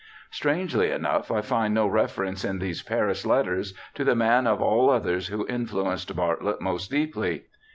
'^ Strangely enough, I find no reference in these Paris letters to the man of all others who influenced Bartlett most deeply.